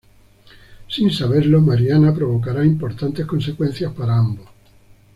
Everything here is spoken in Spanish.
Sin saberlo, Mariana provocará importantes consecuencias para ambos.